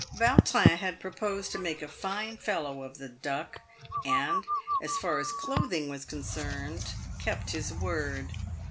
Vautrin had promised to make a fine fellow of the Duck, and, as far as clothing was concerned, kept his word.